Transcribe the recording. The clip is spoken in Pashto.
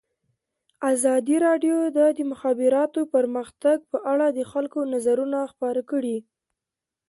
ازادي راډیو د د مخابراتو پرمختګ په اړه د خلکو نظرونه خپاره کړي.